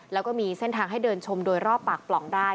แล้วก็มีเส้นทางให้เดินชมโดยรอบปากปล่องได้